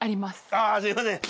ああすいません。